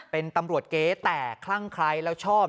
เป็นตำรวจเก๊แต่คลั่งใครแล้วชอบ